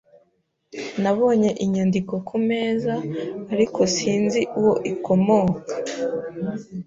Nabonye inyandiko ku meza, ariko sinzi uwo ikomoka.